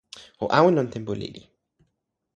o awen lon tenpo lili.